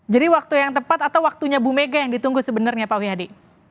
jadi waktu yang tepat atau waktunya bu mega yang ditunggu sebenarnya pak wi hadi